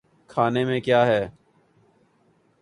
کھانے میں کیا ہے۔